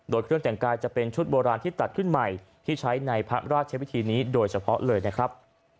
โดยเครื่องแต่งกายจะเป็นชุดโบราณที่ตัดขึ้นใหม่ที่ใช้ในพระราชวิธีนี้โดยเฉพาะเลยนะครับ